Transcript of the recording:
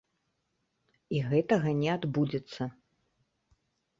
І гэтага не адбудзецца.